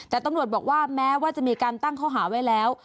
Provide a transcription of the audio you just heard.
แต่ตำรวจบอกว่าแม้ว่าจะมีการตั้งข้อหาไว้แล้ว